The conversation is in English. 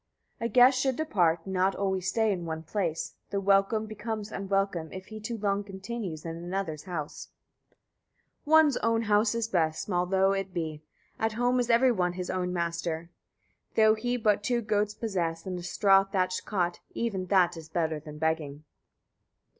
35. A guest should depart, not always stay in one place. The welcome becomes unwelcome, if he too long continues in another's house. 36. One's own house is best, small though it be; at home is every one his own master. Though he but two goats possess, and a straw thatched cot, even that is better than begging.